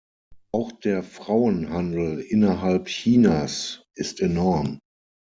Auch der Frauenhandel innerhalb Chinas ist enorm.